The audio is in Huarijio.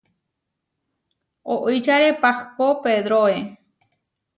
Oičare pahkó, pedroe.